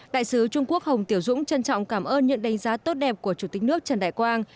đại sứ trung quốc hồng tiểu dũng trân trọng cảm ơn những đánh giá tốt đẹp của chủ tịch nước trần đại quang